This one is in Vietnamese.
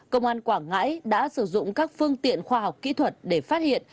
công an quảng ngãi đã sử dụng các phương tiện khoa học kỹ thuật để phát hiện